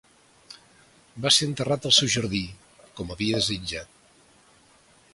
Va ser enterrat al seu jardí, com havia desitjat.